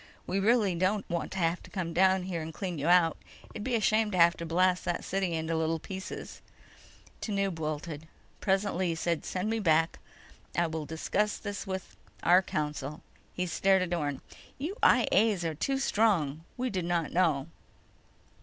We really don't want to have to come down there and clean you out. It'd be a shame to have to blast that city into little pieces." Tanub wilted. Presently, he said: "Send me back. I will discuss this with ... our council." He stared at Orne. "You I A's are too strong. We did not know."